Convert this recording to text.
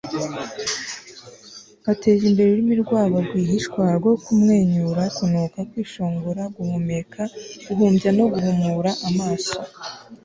bateje imbere ururimi rwabo rwihishwa rwo kumwenyura, kunuka, kwishongora, guhumeka, guhumbya no guhumura amaso